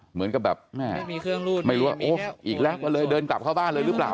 เหมือนกับแบบแม่ไม่รู้ว่าโอ้อีกแล้วก็เลยเดินกลับเข้าบ้านเลยหรือเปล่า